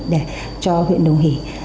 để cho huyện nông hỷ